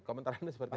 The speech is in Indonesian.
komentarnya seperti apa